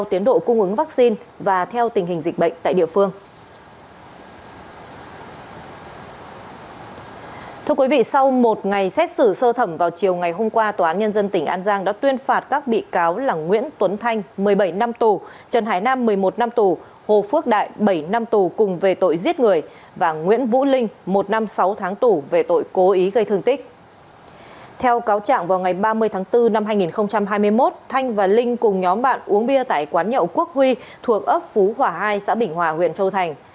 theo cáo chẳng vào ngày ba mươi tháng bốn năm hai nghìn hai mươi một thanh và linh cùng nhóm bạn uống bia tại quán nhậu quốc huy thuộc ấp phú hòa hai xã bỉnh hòa huyện châu thành